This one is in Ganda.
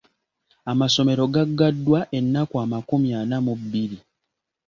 Amasomero gaggaddwa ennaku amakumi ana mu bbiri.